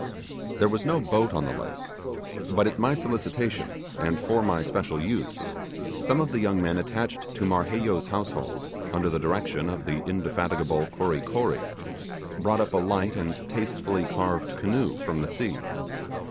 There was no boat on the lake; but at my solicitation and for my special use, some of the young men attached to Marheyo's household, under the direction of the indefatigable Kory Kory, brought up a light and tastefully carved canoe from the sea.